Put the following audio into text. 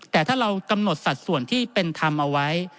แต่ถ้าเรากำหนดสัดส่วนที่เป็นธรรมเอาไว้